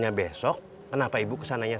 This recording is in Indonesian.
habit violin menggembangkan share dan